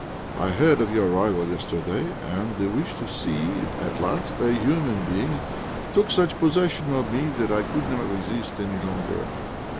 I heard of your arrival yesterday, and the wish to see at last a human being took such possession of me that I could not resist any longer.